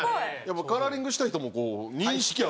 カラーリングした人も認識あるやん